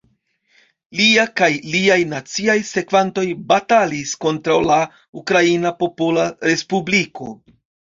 Lia kaj liaj naciaj sekvantoj batalis kontraŭ la Ukraina Popola Respubliko.